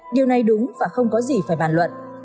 điều này đúng và không có gì phải bàn luận